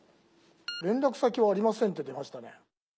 「連絡先はありません」って出ましたね。